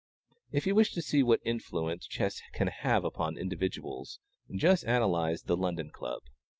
If you wish to see what influence chess can have upon individuals, just analyze the London Club.